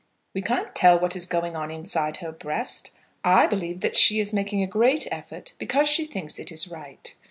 We can't tell what is going on inside her breast. I believe that she is making a great effort because she thinks it is right.